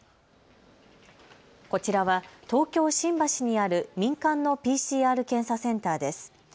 こちらは東京・新橋にある民間のＰＣＲ検査センターです。